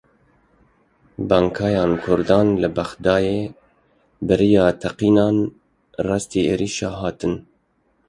Bankayên Kurdan li Bexdayê bi rêya teqînan rastî êrişê hatin.